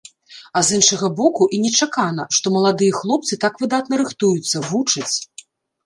А з іншага боку, і нечакана, што маладыя хлопцы так выдатна рыхтуюцца, вучаць.